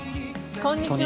こんにちは。